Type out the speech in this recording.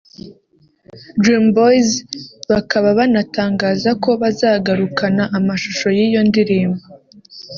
Dream Boyz bakaba banatangaza ko bazagarukana amashusho y’iyo ndirimbo